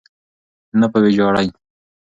نه په ویجاړۍ.